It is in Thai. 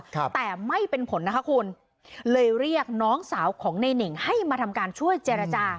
ครับแต่ไม่เป็นผลนะคะคุณเลยเรียกน้องสาวของในเน่งให้มาทำการช่วยเจรจา